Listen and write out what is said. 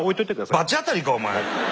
罰当たりかお前。